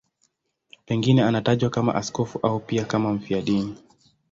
Pengine anatajwa kama askofu au pia kama mfiadini.